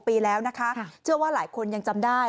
ปีแล้วนะคะเชื่อว่าหลายคนยังจำได้